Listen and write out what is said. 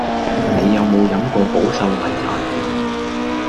你有無飲過保秀麗茶葉